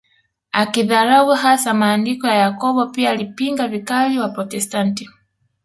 Akidharau hasa maandiko ya Yakobo pia alipinga vikali Waprotestant